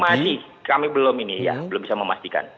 masih kami belum ini ya belum bisa memastikan